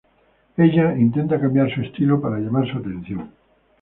Ella intenta cambiar su estilo para llamar su atención.